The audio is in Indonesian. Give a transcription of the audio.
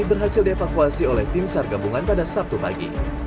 berhasil dievakuasi oleh tim sar gabungan pada sabtu pagi